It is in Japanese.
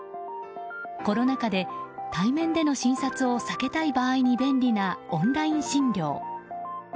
コロナ禍で対面での診察を避けたい場合に便利なオンライン診療。